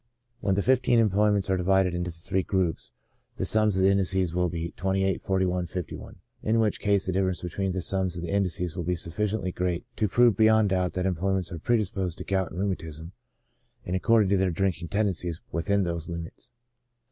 When the fifteen employments are divided into three groups, the sums of the indices will be 28, 41, 51, in which case the difference between the sums of the indices will be sufficiently great to prove beyond doubt that em ployments are predisposed to gout and rheumatism, ac cording to their drinking tendencies, within those limits.